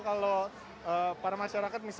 kalau para masyarakat indonesia